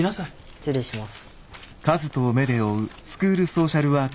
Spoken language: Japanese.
失礼します。